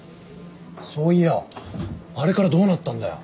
そういやあれからどうなったんだよ？